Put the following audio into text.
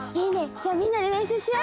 じゃあみんなでれんしゅうしよう！